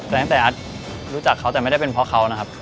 ตั้งแต่อัดรู้จักเขาแต่ไม่ได้เป็นเพราะเขานะครับ